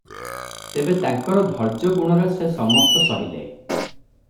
ତେବେ ତାଙ୍କର ଧୈର୍ଯ୍ୟ ଗୁଣରେ ସେ ସମସ୍ତ ସହିଲେ ।